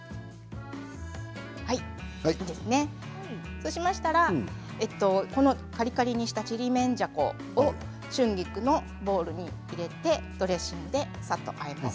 そうしましたらカリカリにしたちりめんじゃこを春菊のボウルに入れてドレッシングで、さっとあえます。